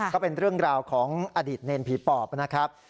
ก็เป็นเรื่องราวของอดีตเนรผีปอบนะครับ